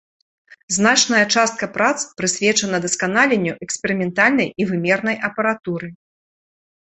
Значная частка прац прысвечана дасканаленню эксперыментальнай і вымернай апаратуры.